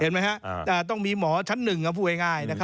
เห็นไหมครับต้องมีหมอชั้นหนึ่งพูดง่าย